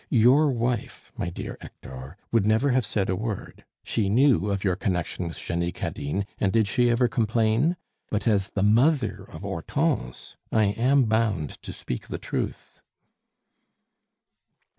Your wife, my dear Hector, would never have said a word; she knew of your connection with Jenny Cadine, and did she ever complain? But as the mother of Hortense, I am bound to speak the truth."